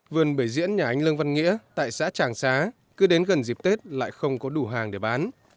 vườn bưởi diễn nhà anh lương văn nghĩa tại xã tràng xá cứ đến gần dịp tết lại không có đủ hàng để bán